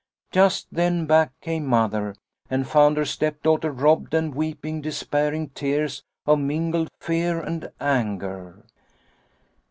" Just then back came Mother and found her stepdaughter robbed and weeping despairing tears of mingled fear and anger.